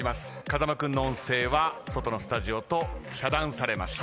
風間君の音声は外のスタジオと遮断されました。